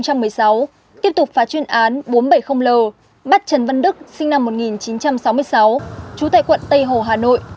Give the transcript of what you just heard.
bắt trần văn đức sinh năm một nghìn chín trăm sáu mươi sáu trú tại quận tây hồ hà nội